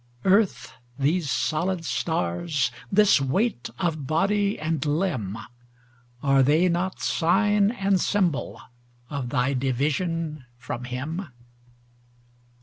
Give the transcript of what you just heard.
Earth, these solid stars, this weight of body and limb, Are they not sign and symbol of thy division from Him?